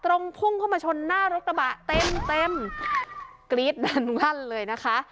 ตรงพุ่งเข้ามาชนหน้ารถระบะเต็มเต็มดันวันเลยนะคะ